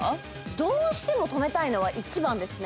どうしても止めたいのは１番ですね。